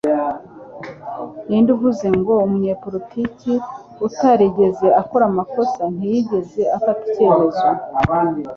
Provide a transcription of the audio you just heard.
Ninde wavuze ngo "Umunyapolitiki utarigeze akora amakosa, ntiyigeze afata icyemezo?